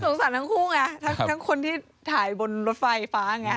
สารทั้งคู่ไงทั้งคนที่ถ่ายบนรถไฟฟ้าไง